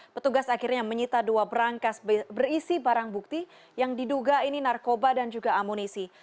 petugas akhirnya menyita dua berangkas berisi barang bukti yang diduga ini narkoba dan juga amunisi